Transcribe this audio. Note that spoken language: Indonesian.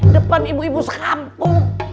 depan ibu ibu sekampung